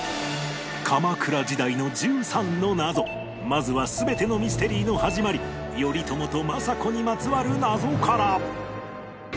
まずは全てのミステリーの始まり頼朝と政子にまつわる謎から